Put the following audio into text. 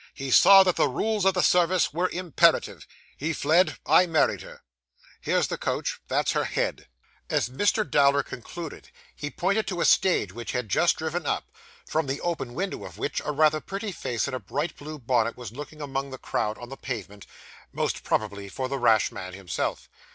He saw that the rules of the service were imperative. He fled. I married her. Here's the coach. That's her head.' As Mr. Dowler concluded, he pointed to a stage which had just driven up, from the open window of which a rather pretty face in a bright blue bonnet was looking among the crowd on the pavement, most probably for the rash man himself.